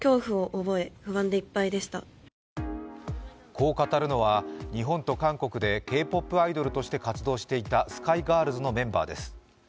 こう語るのは、日本と韓国でＫ−ＰＯＰアイドルとして活動していたスカイガールズのメンバーです。